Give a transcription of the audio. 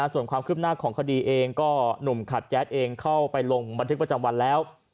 ส่วนความคืบหน้าของคดีเองก็หนุ่มขับแจ๊ดเองเข้าไปลงบันทึกประจำวันแล้ว